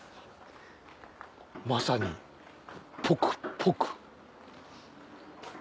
まさにポクポク。